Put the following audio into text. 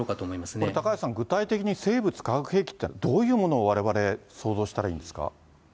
これ、高橋さん、具体的に生物化学兵器っていうのはどういうものをわれわれ想像したらいいんですか。